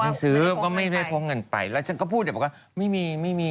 ผมก็ไม่ท้องเงินไปแล้วฉันก็พูดอย่างว่า